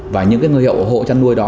và những người hộ chăn nuôi đó